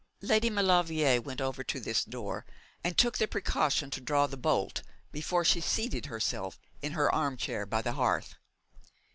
Lady Maulevrier went over to this door, and took the precaution to draw the bolt, before she seated herself in her arm chair by the hearth.